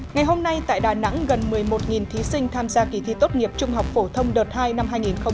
ngày hôm nay tại đà nẵng gần một mươi một thí sinh tham gia kỳ thi tốt nghiệp trung học phổ thông đợt hai năm hai nghìn hai mươi